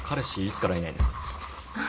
いつからいないんですか？